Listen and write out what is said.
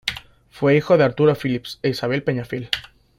Fue hijo de Arturo Phillips e Isabel Peñafiel.